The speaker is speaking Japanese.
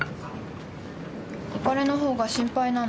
お金のほうが心配なの？